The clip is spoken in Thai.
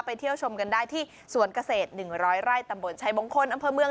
เที่ยวชมกันได้ที่สวนเกษตร๑๐๐ไร่ตำบลชัยมงคลอำเภอเมือง